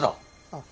あっ。